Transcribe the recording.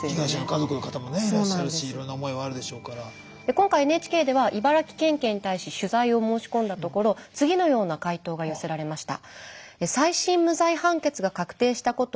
今回ＮＨＫでは茨城県警に対し取材を申し込んだところ次のような回答が寄せられました。